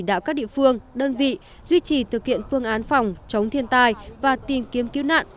chỉ đạo các địa phương đơn vị duy trì thực hiện phương án phòng chống thiên tai và tìm kiếm cứu nạn